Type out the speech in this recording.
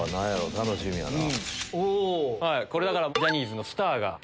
楽しみやな。